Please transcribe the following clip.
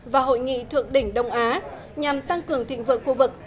và hội nghị thượng đỉnh đông á nhằm tăng cường thịnh vượng khu vực